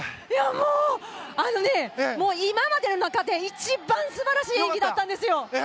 もう、今までの中で一番素晴らしい演技だったんですよ。